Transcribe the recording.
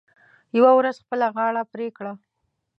یوه ورځ خپله غاړه پرې کړه .